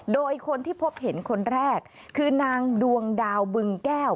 โดยคนที่พบเห็นคนแรกคือนางดวงดาวบึงแก้ว